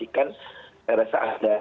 di asikkan saya rasa ada